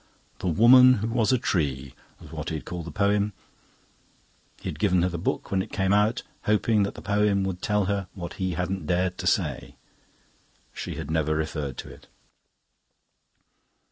"The Woman who was a Tree" was what he had called the poem. He had given her the book when it came out, hoping that the poem would tell her what he hadn't dared to say. She had never referred to it.